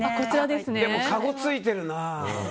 でも、かごついてるなあ。